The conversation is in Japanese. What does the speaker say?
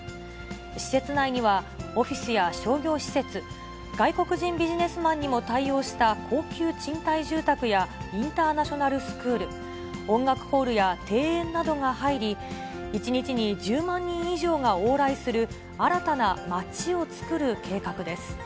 施設内にはオフィスや商業施設、外国人ビジネスマンにも対応した高級賃貸住宅やインターナショナルスクール、音楽ホールや庭園などが入り、１日に１０万人以上が往来する新たな街をつくる計画です。